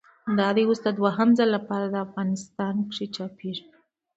دا دی اوس د دوهم ځل له پاره افغانستان کښي چاپېږي.